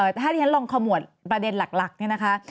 ถ้าอย่างนั้นลองขอมูลประเด็นหลักนะคะ